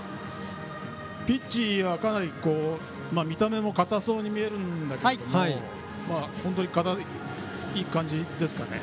ピッチはかなり見た目も硬そうに見えるけども本当に硬い感じですかね。